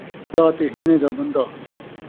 ݙاڈھے دا کھلا تے ہیݨیں دا من٘دا